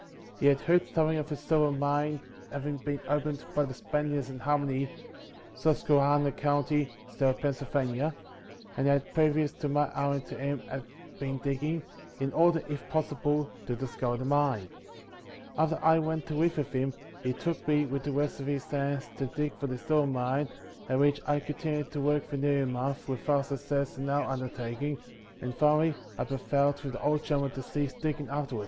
He had heard something of a silver mine having been opened by the Spaniards in Harmony, Susquehanna county, state of Pennsylvania; and had, previous to my hiring to him, been digging, in order, if possible, to discover the mine. After I went to live with him, he took me, with the rest of his hands, to dig for the silver mine, at which I continued to work for nearly a month, without suc cess in our undertaking, and finally I prevailed with the old gentleman to cease digging after it.